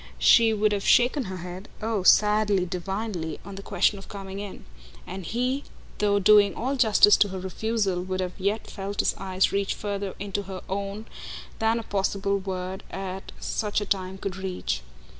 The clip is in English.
She would have shaken her head oh sadly, divinely on the question of coming in; and he, though doing all justice to her refusal, would have yet felt his eyes reach further into her own than a possible word at such a time could reach.